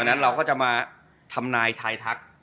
นั้นเราก็จะมาทำนายทายทัก